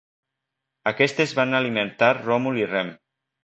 Aquestes van alimentar Ròmul i Rem.